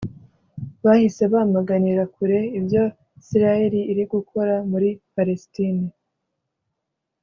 bahise bamaganira kure ibyo Israel iri gukorera muri Palestine